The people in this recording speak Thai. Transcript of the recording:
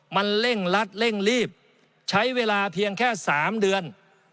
มันเร่งรัดเร่งรีบใช้เวลาเพียงแค่๓เดือน